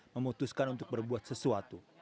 memutuskan untuk berbuat sesuatu